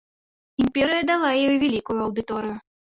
Імперыя дала ёй вялікую аўдыторыю.